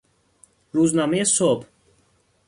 روزنامهی صبح